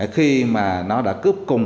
khi mà nó đã cướp cùng